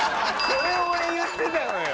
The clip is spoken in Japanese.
それを俺言ってたのよ。